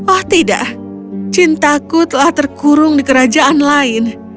oh tidak cintaku telah terkurung di kerajaan lain